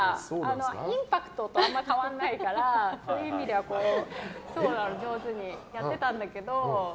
インパクトと変わらないからそういう意味では上手にやってたんだけど。